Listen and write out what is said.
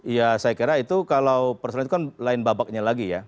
ya saya kira itu kalau persoalan itu kan lain babaknya lagi ya